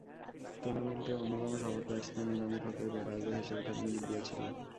টুর্নামেন্টে অন্যতম সফল ব্যাটসম্যান এনামুল হকের ব্যাট আজও হেসে ওঠার ইঙ্গিত দিয়েছিল।